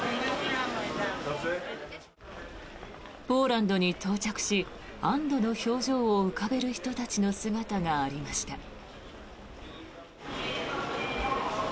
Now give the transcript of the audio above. ポーランドに到着し安どの表情を浮かべる人たちの姿がありました。